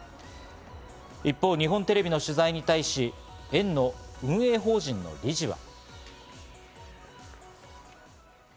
一方、日本テレビの取材に対し、園の運営法人の理事は。